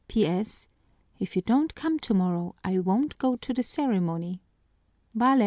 "P.S. If you don't come tomorrow, I won't go to the ceremony. _Vale!